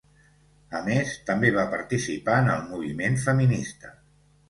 A més, també va participar en el moviment feminista.